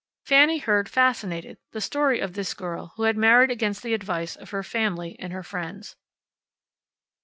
Fanny heard, fascinated, the story of this girl who had married against the advice of her family and her friends.